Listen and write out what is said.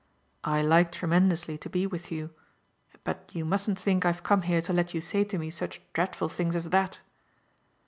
"I like tremendously to be with you, but you mustn't think I've come here to let you say to me such dreadful things as that."